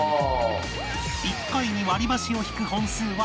１回に割り箸を引く本数は自由